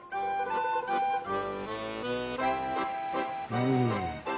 うん。